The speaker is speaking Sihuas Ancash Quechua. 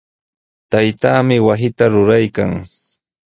Taytaami wasita ruraykan.